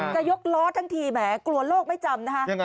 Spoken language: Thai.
จะยกล้อทั้งทีแหมกลัวโลกไม่จำนะคะ